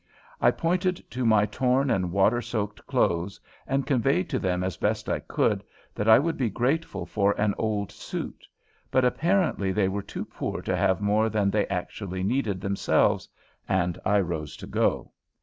I pointed to my torn and water soaked clothes and conveyed to them as best I could that I would be grateful for an old suit, but apparently they were too poor to have more than they actually needed themselves, and I rose to go.